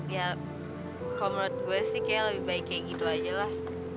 ya kalau menurut gue sih kayak lebih baik kayak gitu aja lah